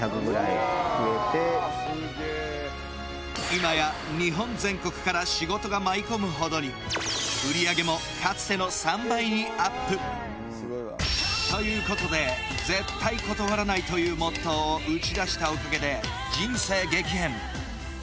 今や日本全国から仕事が舞い込むほどに売上もかつての３倍にアップということで絶対断らないというモットーを打ち出したおかげで人生激変